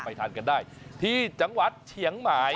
ทานกันได้ที่จังหวัดเฉียงหมาย